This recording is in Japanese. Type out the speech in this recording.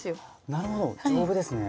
なるほど丈夫ですね。